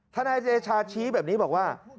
นายเดชาชี้แบบนี้บอกว่า